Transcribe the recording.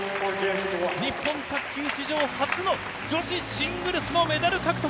日本卓球史上初の女子シングルスのメダル獲得。